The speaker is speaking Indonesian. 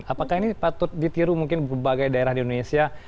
apakah ini patut ditiru mungkin berbagai daerah di indonesia